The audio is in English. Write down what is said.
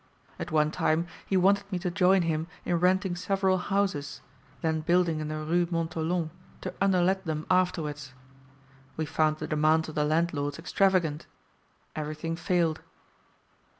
At one time he wanted me to join him in renting several houses, then building in the Rue Montholon, to underlet them afterwards. We found the demands of the landlords extravagant everything failed.